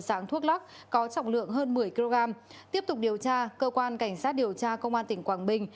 dạng thuốc lắc có trọng lượng hơn một mươi kg tiếp tục điều tra cơ quan cảnh sát điều tra công an tỉnh quảng bình